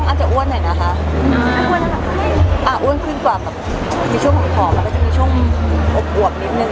ถ้าก้าวเงินไม่ฉีกก่อนเพราะเราได้เจอกุ้ยแหน่วแน่